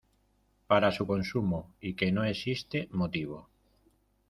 para su consumo y que no existe motivo